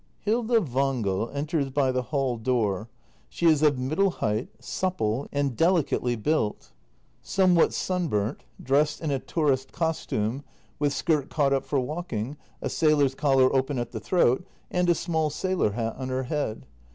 Hilda Wangel enters by the hall door. She is of middle height, supple, and delicately built. Somewhat sun act i] THE MASTER BUILDER 285 burnt. Dressed in a tourist costume, with skirt caught up for walking, a sailor's collar open at the throat, and a small sailor hat on her head.